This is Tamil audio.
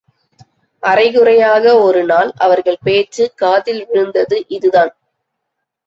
அரைகுறையாக ஒரு நாள் அவர்கள் பேச்சு காதில் விழுந்தது இதுதான்.